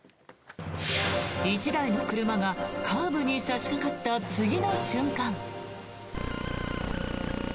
１台の車がカーブに差しかかった次の瞬間。